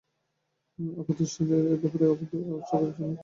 অবস্থাদৃষ্টে মনে হচ্ছে এ ব্যাপারে সরকারের যেন কোনো দায় নেই।